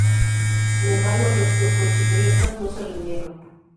Sin embargo, los turcochipriotas no se rindieron.